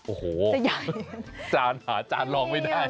โอ้โหจานหาจานลองไม่ได้